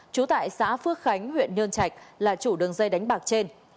trú tại xã phước khánh huyện nhơn trạch là chủ đường dây đánh bạc trên